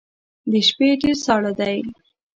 د شپې ډیر ساړه دی